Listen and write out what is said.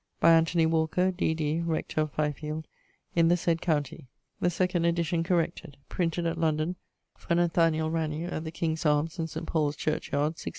By Anthony Walker, D.D. rector of Fyfield, in the sayd countie. The 2d Edition corrected. Printed at London, for Nath. Ranew, at the King's Arms, in St. Paul's Church yard, 1680.'